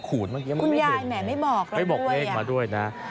คุณยายแหมไม่บอกเหรอด้วย